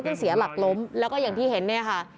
เสียหลักล้มแล้วก็อย่างที่เห็นเนี่ยค่ะ